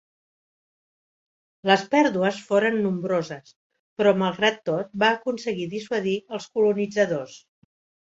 Les pèrdues foren nombroses, però malgrat tot va aconseguir dissuadir els colonitzadors.